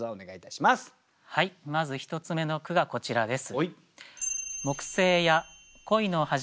まず１つ目の句がこちらです。